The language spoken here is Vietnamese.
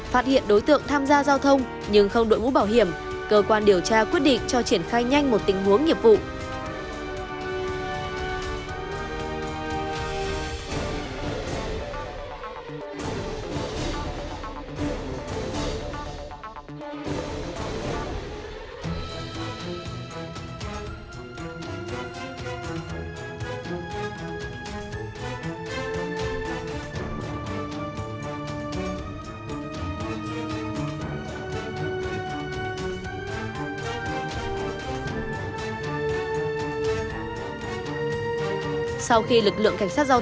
phát hiện đối tượng tham gia giao thông nhưng không đội ngũ bảo hiểm cơ quan điều tra quyết định cho triển khai nhanh một tình huống nghiệp vụ